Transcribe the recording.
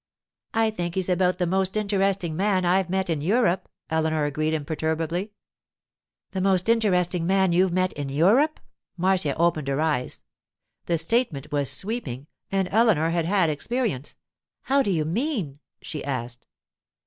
'I think he's about the most interesting man I've met in Europe,' Eleanor agreed imperturbably. 'The most interesting man you've met in Europe?' Marcia opened her eyes. The statement was sweeping, and Eleanor had had experience. 'How do you mean?' she asked.